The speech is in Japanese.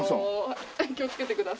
気をつけてください。